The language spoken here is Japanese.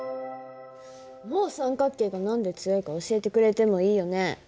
もう三角形が何で強いか教えてくれてもいいよね。